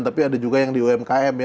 tapi ada juga yang di umkm ya